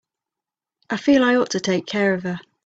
I feel I ought to take care of her.